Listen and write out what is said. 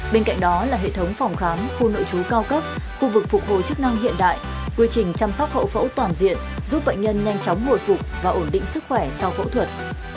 bên cạnh đó là hệ thống phòng khám khu nội chú cao cấp khu vực phục hồi chức năng hiện đại quy trình chăm sóc hậu phẫu toàn diện giúp bệnh nhân nhanh chóng hồi phục và ổn định sức khỏe sau phẫu thuật